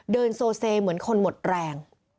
เดินโซเซเหมือนคนหมดแรง